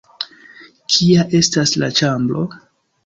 Kia estas la ĉambro?